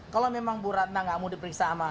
kalau memang bu ratna nggak mau diperiksa sama